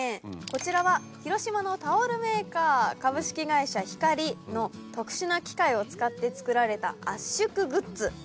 こちらは広島のタオルメーカー株式会社光の特殊な機械を使って作られた圧縮グッズ。